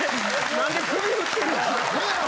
なんで首振ってんねん。